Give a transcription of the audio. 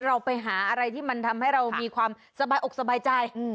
เราไปหาอะไรที่มันทำให้เรามีความสบายอกสบายใจ